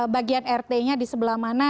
bagian rt nya di sebelah mana